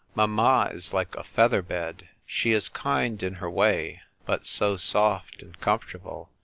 Mamma is like a feather bed. She is kind in her way, but so soft and comfortable.